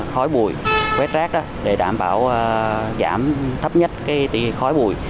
khói bùi quét rác để đảm bảo giảm thấp nhất tỷ khói bùi